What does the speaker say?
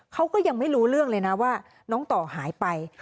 เขาก็ยังไม่รู้เรื่องเลยนะว่าน้องต่อหายไป